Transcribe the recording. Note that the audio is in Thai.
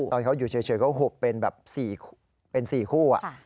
ตอนนี้เขาอยู่เฉยเขาหุบเป็น๔คู่